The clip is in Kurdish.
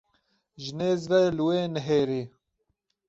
Ji nêz ve li wê nihêrî.